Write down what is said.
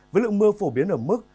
với lượng mưa phổ biến ở mức